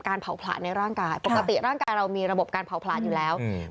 เผาผลาในร่างกายปกติร่างกายเรามีระบบการเผาผลาญอยู่แล้วอืม